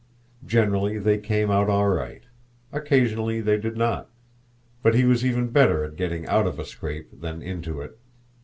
Generally they came out all right. Occasionally they did not; but he was even better at getting out of a scrape than into it.